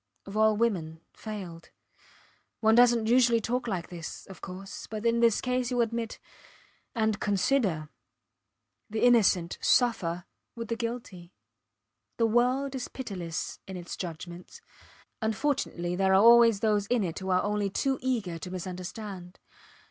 of all women failed. One doesnt usually talk like this of course but in this case youll admit ... And consider the innocent suffer with the guilty. The world is pitiless in its judgments. Unfortunately there are always those in it who are only too eager to misunderstand.